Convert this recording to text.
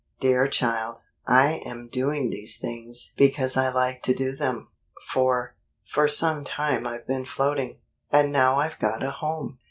"Dear child, I am doing these things because I like to do them. For for some time I've been floating, and now I've got a home.